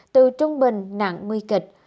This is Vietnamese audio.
từ trung bình nặng mươi kịch